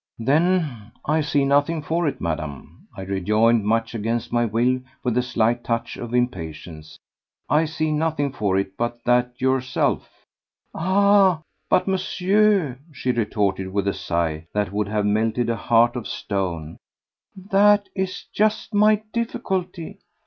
"Then I see nothing for it, Madame," I rejoined, much against my will with a slight touch of impatience, "I see nothing for it but that yourself ..." "Ah! but, Monsieur," she retorted, with a sigh that would have melted a heart of stone, "that is just my difficulty.